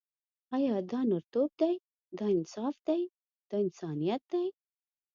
آیا دا نرتوب دی، دا انصاف دی، دا انسانیت دی.